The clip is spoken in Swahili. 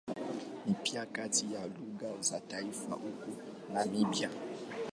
Ni pia kati ya lugha za taifa huko Namibia.